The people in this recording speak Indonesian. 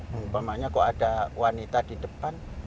mumpamanya kok ada wanita di depan